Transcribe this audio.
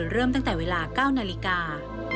เริ่มตั้งแต่เวลา๙นาฬิกา